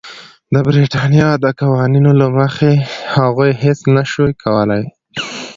د برېټانیا د قوانینو له مخې هغوی هېڅ نه شوای کولای.